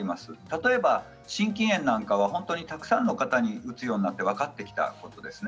例えば心筋炎なんてたくさんの方に打つようになって分かってきたものです。